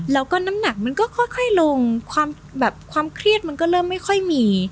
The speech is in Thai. แล้วก็น้ำหนักมันก็ค่อยลงความแบบความเครียดมันก็เริ่มไม่ค่อยมี